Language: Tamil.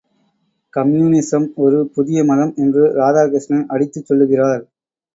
கம்யூனிஸம் ஒரு புதிய மதம் என்று ராதாகிருஷ்ணன் அடித்துச் சொல்லுகிறார்.